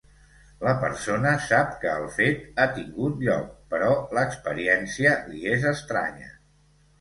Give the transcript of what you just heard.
La persona sap que el fet ha tingut lloc, però l'experiència li és estranya.